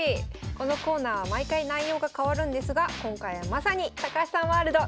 このコーナーは毎回内容が変わるんですが今回はまさに高橋さんワールド！